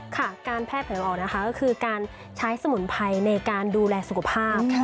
การแพทย์เผยออกนะคะก็คือการใช้สมุนไพรในการดูแลสุขภาพ